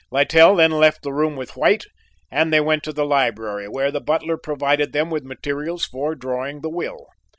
Littell then left the room with White, and they went to the library, where the butler provided them with materials for drawing the will.